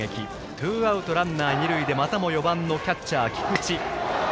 ツーアウトランナー、二塁でまたも４番のキャッチャー菊池。